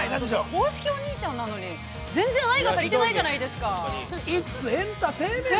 公式お兄ちゃんなのに全然愛が足りてないじゃないですか。